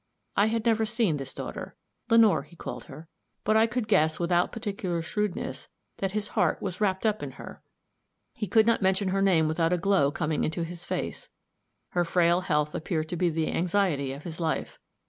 I had never seen this daughter Lenore, he called her but I could guess, without particular shrewdness, that his heart was wrapped up in her. He could not mention her name without a glow coming into his face; her frail health appeared to be the anxiety of his life.